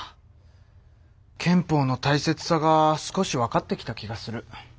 憲法のたいせつさが少しわかってきた気がする。